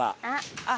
あっ。